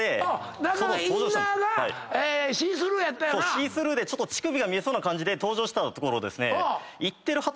シースルーで乳首が見えそうな感じで登場したところですね。